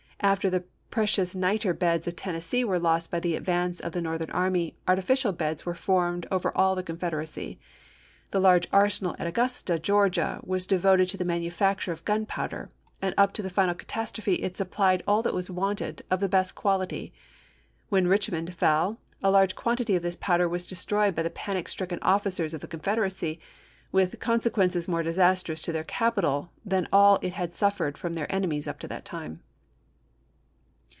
After the precious niter beds of Tennessee were lost by the advance of the Northern army, artificial beds were formed all over the Confederacy. The large arsenal at Augusta, Georgia, was devoted to the manufacture of gun powder; and up to the final catastrophe it supplied all that was wanted, of the best quality. When Richmond fell, a large quantity of this powder was destroyed by the panic stricken officers of the Con federacy, with consequences more disastrous to their capital than all it had suffered from their enemies up to that time.